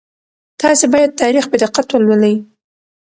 تاسي باید تاریخ په دقت ولولئ.